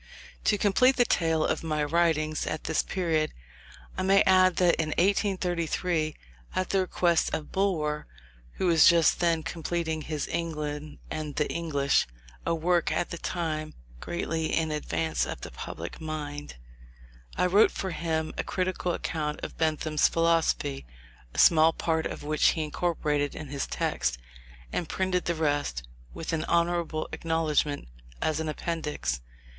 To complete the tale of my writings at this period, I may add that in 1833, at the request of Bulwer, who was just then completing his England and the English (a work, at that time, greatly in advance of the public mind), I wrote for him a critical account of Bentham's philosophy, a small part of which he incorporated in his text, and printed the rest (with an honourable acknowledgment), as an appendix.